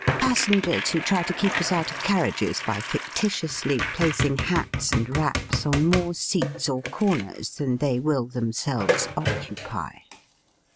Passengers who try to keep us out of carriages by fictitiously placing hats and wraps on more seats or corners than they will themselves occupy.